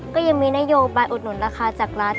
ก็ยังมีนโยบายอุดหนุนราคาจากรัฐ